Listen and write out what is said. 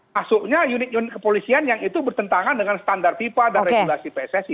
masuknya unit unit kepolisian yang itu bertentangan dengan standar fifa dan regulasi pssi